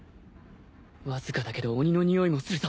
わずかだけど鬼のにおいもするぞ